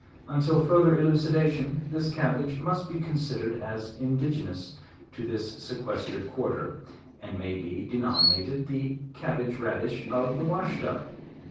Until furth er elucidation, this cabbage must be considered as idigenoua to this sequestered quarter, and may be denominated the cab bage radish of the Washita.